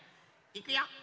いくよ。